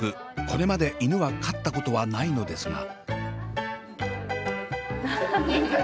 これまで犬は飼ったことはないのですが。